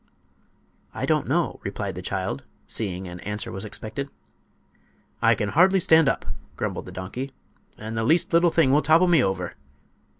"I don't know," replied the child, seeing an answer was expected. "I can hardly stand up," grumbled the donkey; "and the least little thing will topple me over."